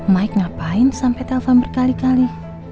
mike ngapain sampe telfon berkali kali